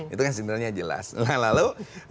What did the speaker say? itu kan sebenarnya jelas nah lalu